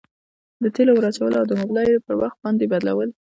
د تیلو ور اچول او د مبلایلو پر وخت باندي بدلول.